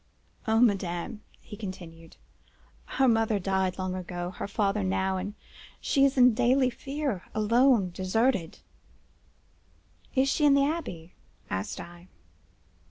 "'O madame!' he continued, 'her mother died long ago—her father now—and she is in daily fear,—alone, deserted—' "'Is she in the Abbaye?' asked I.